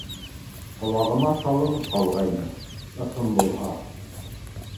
— Ҡолағыма салынып ҡалғайны, ысын булһа.